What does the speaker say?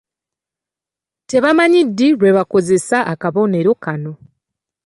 Tebamanyi ddi lwe bakozesa akabonero kano!